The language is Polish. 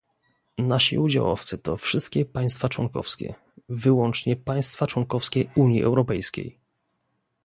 Nasi udziałowcy to wszystkie państwa członkowskie - wyłącznie państwa członkowskie Unii Europejskiej